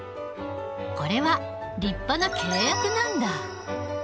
これは立派な契約なんだ。